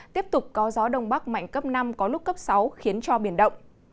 tiếp tục có gió đông bắc mạnh cấp năm có lúc cấp sáu khiến cho biển động